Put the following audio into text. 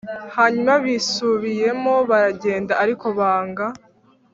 Hanyuma bisubiyemo baragenda ariko banga